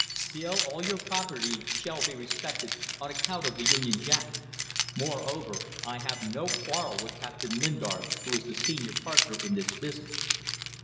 Still, all your property shall be respected on account of the Union Jack. Moreover, I have no quarrel with Captain Lingard, who is the senior partner in this business.